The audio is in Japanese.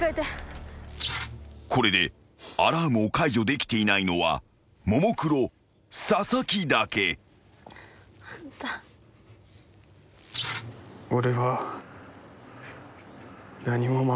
［これでアラームを解除できていないのはももクロ佐々木だけ］くそ。